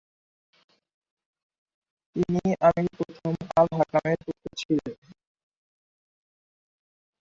তিনি আমির প্রথম আল-হাকামের পুত্র ছিলেন।